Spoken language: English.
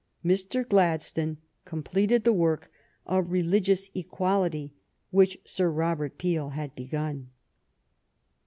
Mr. Gladstone completed the work of religious equality which Sir Robert Peel had begun.